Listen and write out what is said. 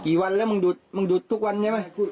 กี่วันละมึงดูดมึงดูดทุกวันใช่มั้ย